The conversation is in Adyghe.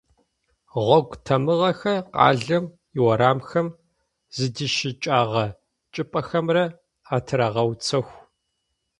Гъогу тамыгъэхэр къалэм иурамхэм зыдищыкӏэгъэ чӏыпӏэхэмэ атырагъэуцох.